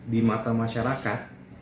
di mata masyarakat